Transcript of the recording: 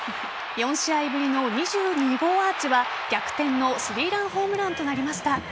４試合ぶりの２２号アーチは逆転の３ランホームランとなりました。